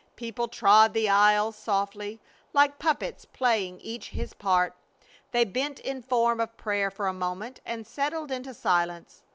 People trod the aisles softly, like puppets playing each his part. They bent in form of prayer for a moment and settled into silence.